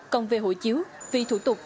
còn về hồ chiếu vì thủ tục